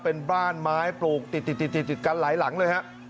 เป็นบ้านไม้ปลูกติดกันหลายหลังเลยฮะ